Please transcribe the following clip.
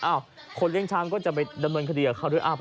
คนเลี้ยงช้างก็จะไปดำเนินคดีกับเขาด้วย